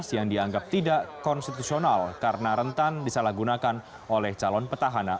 yang dianggap tidak konstitusional karena rentan disalahgunakan oleh calon petahana